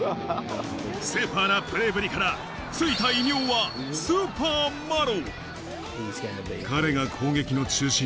スーパーなプレーぶりからついた異名はスーパーマロ。